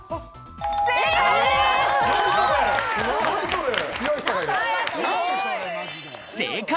正解！